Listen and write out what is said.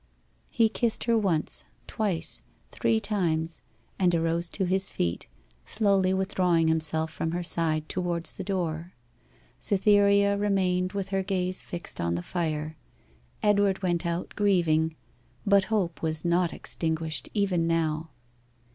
He kissed her once, twice, three times, and arose to his feet, slowly withdrawing himself from her side towards the door. Cytherea remained with her gaze fixed on the fire. Edward went out grieving, but hope was not extinguished even now.